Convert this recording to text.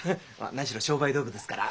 何しろ商売道具ですから。